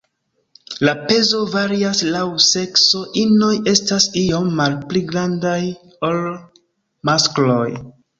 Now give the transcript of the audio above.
La pezo varias laŭ sekso, inoj estas iom malpli grandaj ol maskloj.